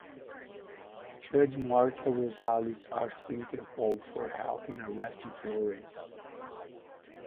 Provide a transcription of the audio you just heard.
Judge Marta Rosales asked Interpol for help in arresting Flores.